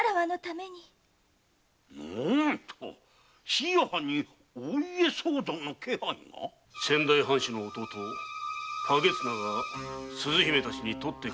椎谷藩にお家騒動の気配が⁉先代藩主の弟・景綱が鈴姫たちにとって代わろうとしている。